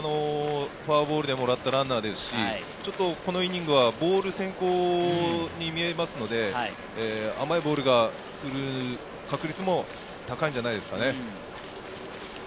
フォアボールでもらったランナーですし、このイニングはボール先行に見えるので、甘いボールが来る確率も高いんじゃないですかね。